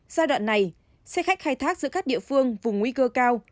giai đoạn này xe khách khai thác giữa các địa phương vùng nguy cơ cao